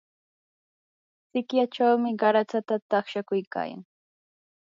sikyachaw qaratsata taqshakuykayan.